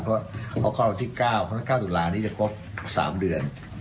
เพราะเขาคลอดอันที่เก้าเพราะทั้งเก้าถึงลานี้จะคลอดสามเดือน